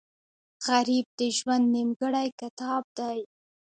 غریب د ژوند نیمګړی کتاب دی